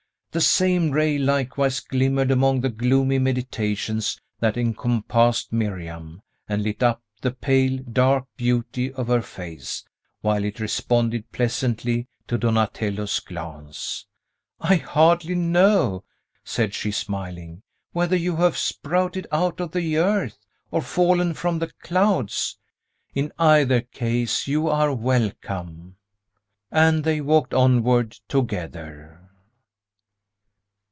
The same ray likewise glimmered among the gloomy meditations that encompassed Miriam, and lit up the pale, dark beauty of her face, while it responded pleasantly to Donatello's glance. "I hardly know," said she, smiling, "whether you have sprouted out of the earth, or fallen from the clouds. In either case you are welcome." And they walked onward together.